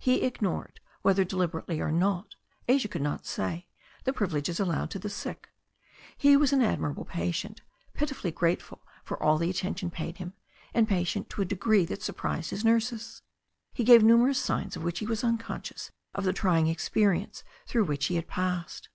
He ignored, whether deliberately or not, Asia could not say, the privileges allowed to the sick. He was an admirable patient, pitifully grateful for all the attention paid him, and patient to a degree that surprised his nurses. He gave numerous signs of which he was unconscious of the trying experience through which he had passed.